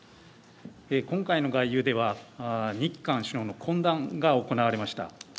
今回の外遊では日韓首脳の懇談が行われました。